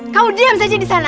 kau diam saja di sana